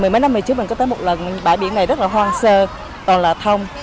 mấy năm trước mình có tới một lần bãi biển này rất là hoang sơ toàn là thông